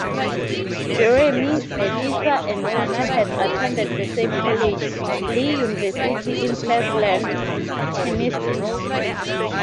Jeremi, Melissa, and Janna had attended the same college, Lee University in Cleveland, Tennessee.